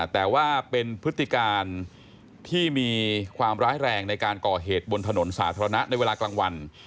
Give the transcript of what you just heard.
แต่ว่าเป็นพฤติการที่มีความร้ายแรงในการก่อเหตุบนถนนสาธารณะในเวลากลางวัน